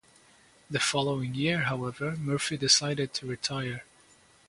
The following year, however, Murphy decided to retire.